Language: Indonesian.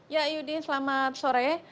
ya yudi selamat sore